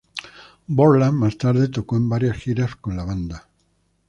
Borland más tarde tocó en varias giras con la banda.